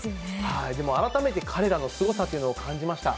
でも改めて彼らのすごさというのを感じました。